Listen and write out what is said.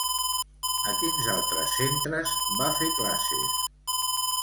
A quins altres centres va fer classes?